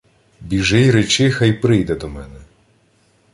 — Біжи й речи, хай прийде до мене.